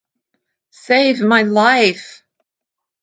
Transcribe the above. Save my life.